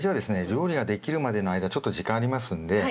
料理ができるまでの間ちょっと時間ありますんで。